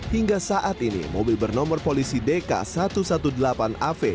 hingga saat ini mobil bernomor polisi dk satu ratus delapan belas av